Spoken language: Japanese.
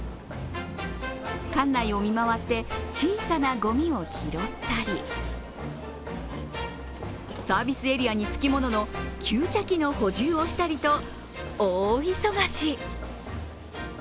館内を見回って小さなごみを拾ったりサービスエリアにつきものの給茶機の補充をしたりと大忙し。